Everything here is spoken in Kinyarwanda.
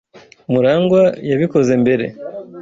Murangwa yabikoze mbere.